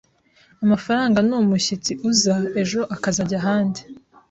Amafaranga ni umushyitsi uza ejo akazajya ahandi,